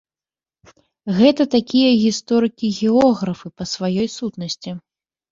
Гэта такія гісторыкі-географы па сваёй сутнасці.